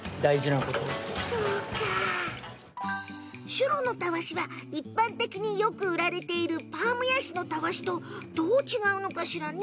シュロのたわしは一般的によく売られているパームヤシのたわしとどう違うのかしらね？